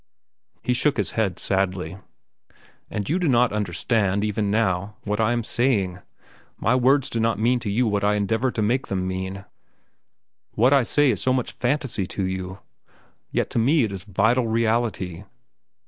He shook his head sadly. "And you do not understand, even now, what I am saying. My words do not mean to you what I endeavor to make them mean. What I say is so much fantasy to you. Yet to me it is vital reality.